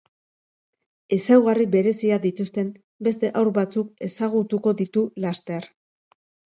Ezaugarri bereziak dituzten beste haur batzuk ezagutuko ditu laster.